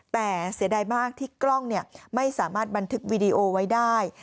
แต่เสียดายมากที่กล้องไม่สามารถบันทึกวีดีโอไว้ได้